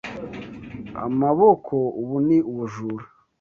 Amaboko! Ubu ni ubujura.